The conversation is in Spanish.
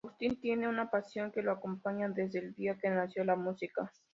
Agustín tiene una pasión que lo acompaña desde el día que nació, la música.